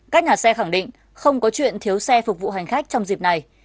các nhà xe khẳng định không có chuyện thiếu xe phục vụ hành khách trong dịp này